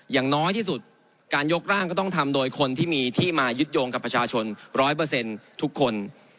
อย่างน้อยที่สุดการยกร่างก็ต้องทำโดยคนที่มีที่มายึดโยงกับประชาชน๑๐๐ทุกคน